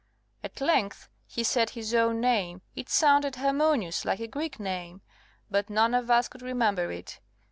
At length he said his own name it sounded harmonious, like a Greek name, but none of us could remember it.